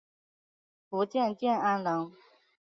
福建建安人。